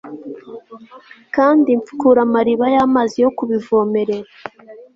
kandi mfukura amariba y'amazi yo kubivomerera